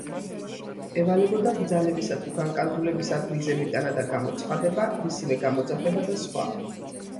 ევალებოდა ბრძანებისა თუ განკარგულების ადგილზე მიტანა და გამოცხადება, ვისიმე გამოძახება და სხვა.